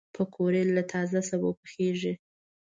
پکورې له تازه سبو پخېږي